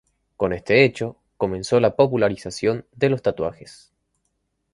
Con este hecho comenzó la popularización de los tatuajes.